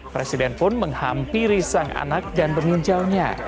presiden pun menghampiri sang anak dan meninjaunya